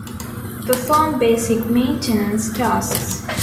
Perform basic maintenance tasks.